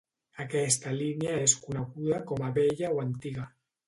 Aquesta línia és coneguda com a vella o antiga.